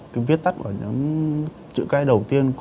cái viết tắt của những chữ cái đầu tiên